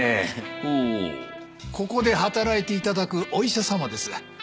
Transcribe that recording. ほうここで働いて頂くお医者さまです